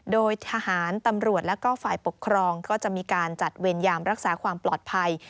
โดยทหารตำรวจและก็ฝ่ายปกครองก็จะมีการจัดเวรยามรักษาความปลอดภัย